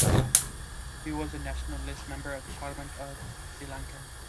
He was a National List member of the Parliament of Sri Lanka.